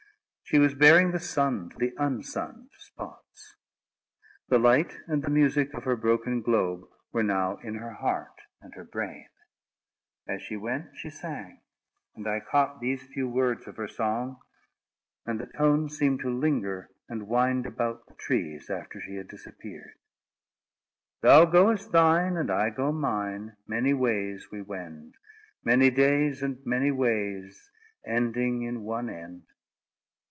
She was bearing the sun to the unsunned spots. The light and the music of her broken globe were now in her heart and her brain. As she went, she sang; and I caught these few words of her song; and the tones seemed to linger and wind about the trees after she had disappeared: Thou goest thine, and I go mine— Many ways we wend; Many days, and many ways, Ending in one end.